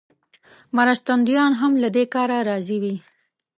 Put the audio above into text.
مرستندویان هم له دې کاره راضي وي.